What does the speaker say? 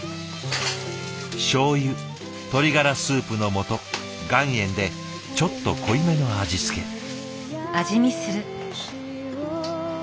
しょうゆ鶏がらスープのもと岩塩でちょっと濃いめの味付け。